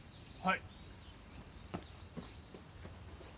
はい。